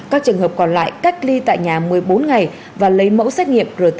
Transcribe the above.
các trường hợp còn lại cách ly tại nhà một mươi bốn ngày và lấy mẫu xét nghiệm rt pcr mẫu gột